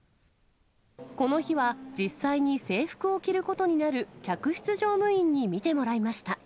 この日は実際に制服を着ることになる客室乗務員に見てもらいました。